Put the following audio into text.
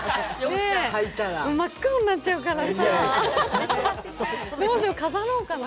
真っ黒になっちゃうからさ、どうしよう、飾ろうかな。